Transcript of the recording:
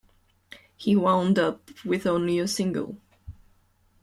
He wound up with only a single.